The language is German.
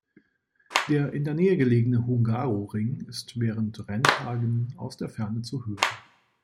Der in der Nähe gelegene Hungaroring ist während Renntagen aus der Ferne zu hören.